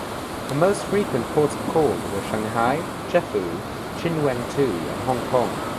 Her most frequent ports of call were Shanghai, Chefoo, Chinwangtao, and Hong Kong.